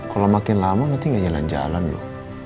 kalau makin lama nanti gak jalan jalan loh